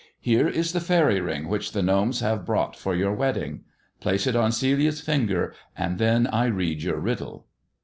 " Here is the faery ring which the gnomes have brought for your wedding. Place it on Celia's finger, and then I read your riddle."